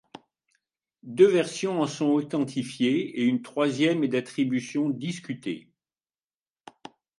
Deux versions en sont authentifiées et une troisième est d'attribution discutée.